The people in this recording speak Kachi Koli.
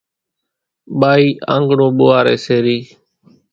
ٻائِي آنڳڻون ٻوئاريَ سي رئِي